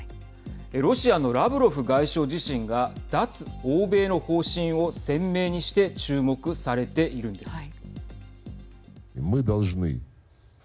ロシアのラブロフ外相自身が脱欧米の方針を鮮明にして注目されているんです。